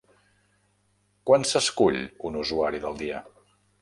Quan s'escull un «usuari del dia»?